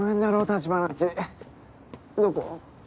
橘ん家どこ？